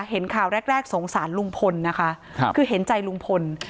เห็นข่าวแรกแรกสงสารลุงพลนะคะคือเห็นใจลุงพล